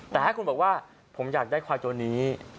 แต่ถ้าคุณบอกว่าผมอยากได้ควายตัวนี้